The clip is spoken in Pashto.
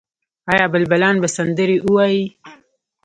آیا بلبلان به سندرې ووايي؟